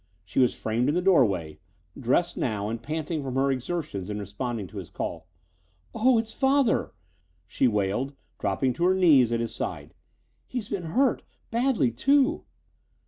She was framed in the doorway, dressed now and panting from her exertions in responding to his call. "Oh, it's father," she wailed, dropping to her knees at his side. "He's been hurt. Badly, too."